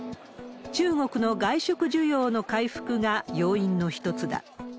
中国の外食需要の回復が要因の一つだ。